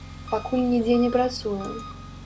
Пакуль нідзе не працую.